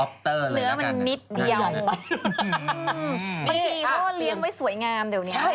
สวัสดีค่าข้าวใส่ไข่